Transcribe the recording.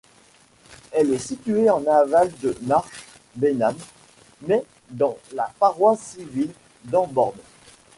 Elle est située en aval de Marsh Benham, mais dans la paroisse civile d’Enborne.